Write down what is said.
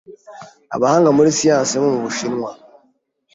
Abahanga muri siyansi bo mu Bushinwa